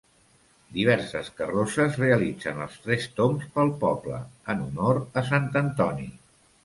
Diverses carrosses realitzen els tres tombs pel poble, en honor a Sant Antoni.